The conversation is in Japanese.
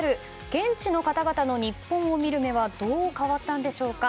現地の方々の日本を見る目はどう変わったんでしょうか？